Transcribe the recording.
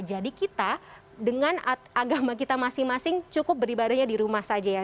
jadi kita dengan agama kita masing masing cukup beribadahnya di rumah saja ya